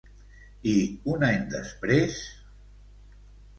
I un any després?